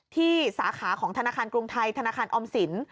สาขาของธนาคารกรุงไทยธนาคารออมสิน